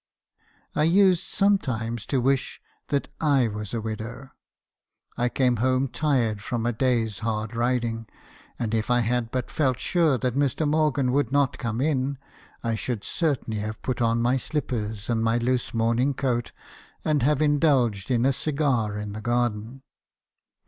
I used sometimes to wish that I was a widow. I came home tired from a hard day's riding, and if I had but felt sure that Mr. Morgan would not come in , I should certainly have put on my slippers and my loose morning coat, and have indulged in a cigar in the garden.